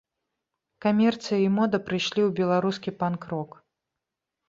Камерцыя і мода прыйшлі ў беларускі панк-рок.